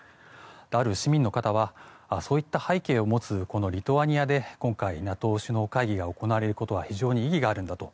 ある市民の方はそういった背景を持つリトアニアで今回、ＮＡＴＯ首脳会議が行われることは非常に意義があるんだと。